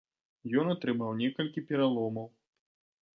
Ён атрымаў некалькі пераломаў.